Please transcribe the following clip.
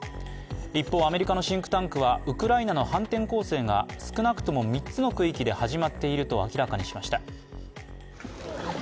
一方、アメリカのシンクタンクはウクライナの反転攻勢が少なくとも３つの区域で始まっていると明らかにしました。